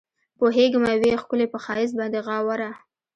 پوهېږمه وي ښکلي پۀ ښائست باندې غاوره